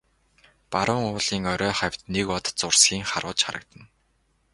Баруун уулын орой хавьд нэг од зурсхийн харваж харагдана.